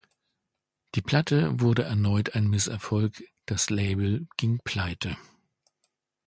Die Platte wurde erneut ein Misserfolg, das Label ging pleite.